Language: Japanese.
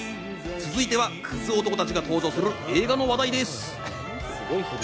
続いてクズ男たちが登場する映画の話題です。